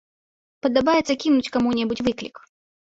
Падабаецца кінуць каму-небудзь выклік.